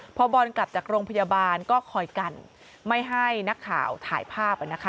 พอบอลกลับจากโรงพยาบาลก็คอยกันไม่ให้นักข่าวถ่ายภาพ